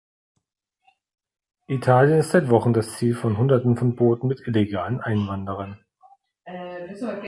Italien ist seit Wochen das Ziel von Hunderten von Booten mit illegalen Einwanderern.